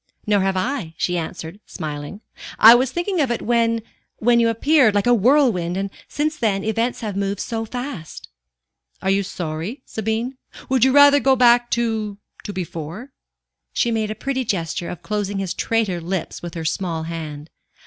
"Nor have I," she answered, smiling. "I was thinking of it when when you appeared like a whirlwind, and since then, events have moved so fast." "Are you sorry, Sabine? Would you rather go back to to before?" She made a pretty gesture of closing his traitor lips with her small hand.